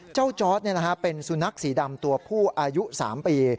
จอร์ดเป็นสุนัขสีดำตัวผู้อายุ๓ปี